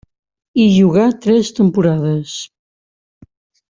Hi jugà tres temporades.